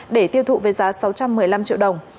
để tiêu thụ với giá sáu trăm một mươi năm triệu đồng